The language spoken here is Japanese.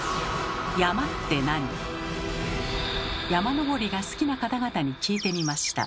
山登りが好きな方々に聞いてみました。